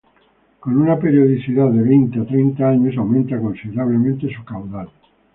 Con una periodicidad de veinte a treinta años aumenta considerablemente su caudal.